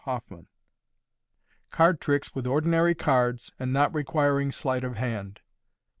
CHAPTER III. Card Tricks with Ordinary Cards, and not requiring Sleight of Hand.